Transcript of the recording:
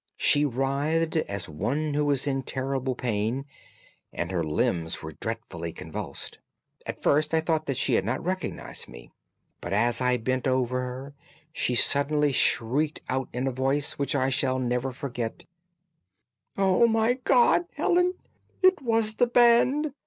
She writhed as one who is in terrible pain, and her limbs were dreadfully convulsed. At first I thought that she had not recognised me, but as I bent over her she suddenly shrieked out in a voice which I shall never forget, 'Oh, my God! Helen! It was the band!